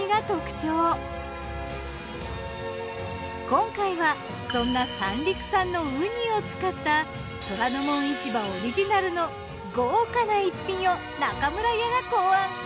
今回はそんな三陸産のウニを使った『虎ノ門市場』オリジナルの豪華な逸品を中村家が考案。